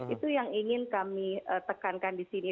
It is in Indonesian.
itu yang ingin kami tekankan di sini